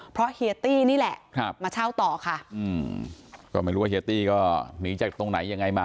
เพราะเฮียตี้นี่แหละมาเช่าต่อค่ะก็ไม่รู้ว่าเฮียตี้ก็หนีจากตรงไหนยังไงมา